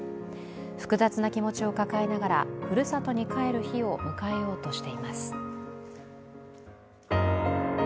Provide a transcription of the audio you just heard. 複雑な気持ちを抱えながらふるさとに帰る日を迎えようとしています。